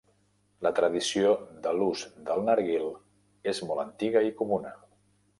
La tradició de l'ús del narguil és molt antiga i comuna.